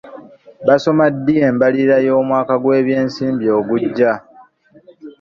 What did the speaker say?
Basoma ddi embalirira y'omwaka gw'ebyensimbi ogujja?